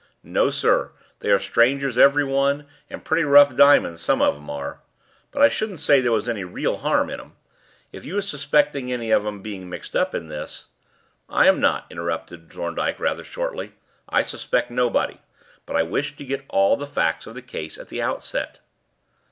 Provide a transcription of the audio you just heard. "No, sir; they are strangers, every one, and pretty rough diamonds some of 'em are. But I shouldn't say there was any real harm in 'em. If you was suspecting any of 'em of being mixed up in this " "I am not," interrupted Thorndyke rather shortly. "I suspect nobody; but I wish to get all the facts of the case at the outset."